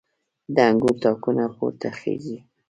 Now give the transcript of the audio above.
د انګور تاکونه پورته خیژي